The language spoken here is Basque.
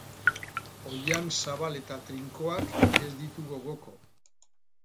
Oihan zabal eta trinkoak ez ditu gogoko.